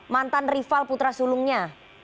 mantan rival putra sulungnya